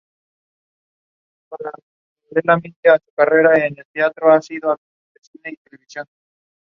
Fried began his career as the editor of "Musical Digest" in New York City.